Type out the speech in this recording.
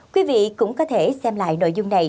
quý vị cũng có thể xem lại nội dung này